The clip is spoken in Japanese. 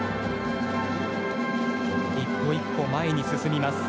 一歩一歩前に進みます。